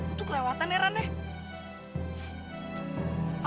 itu kelewatan ya ran ya